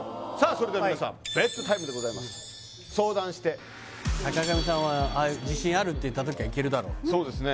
それでは皆さんＢｅｔＴｉｍｅでございます相談して坂上さんは「自信ある」って言ったときはいけるだろうそうですね